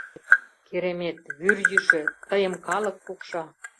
Керемет, вӱр йӱшӧ, тыйым калык пукша!